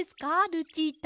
ルチータ。